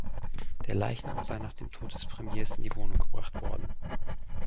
Der Leichnam sei nach dem Tod des Premiers in die Wohnung gebracht worden.